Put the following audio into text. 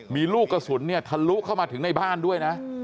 มีลูกกระสุนเนี่ยทะลุเข้ามาถึงในบ้านด้วยนะ